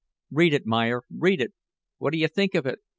"Read it, Meyer read it. What d'you think of it?"